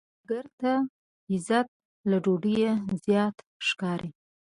سوالګر ته عزت له ډوډۍ زیات ښکاري